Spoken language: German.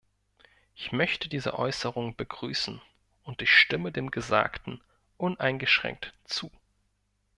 Ich möchte diese Äußerungen begrüßen, und ich stimme dem Gesagten uneingeschränkt zu.